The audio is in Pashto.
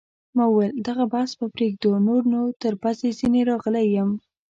ما وویل: دغه بحث به پرېږدو، نور نو تر پزې ځیني راغلی یم.